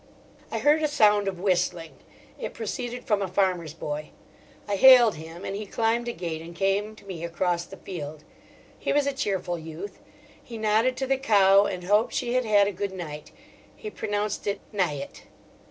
I heard a sound of whistling. It proceeded from a farmer's boy. I hailed him, and he climbed a gate and came to me across the field. He was a cheerful youth. He nodded to the cow and hoped she had had a good night: he pronounced it "nihet."